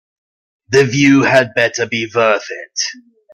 The view had better be worth it.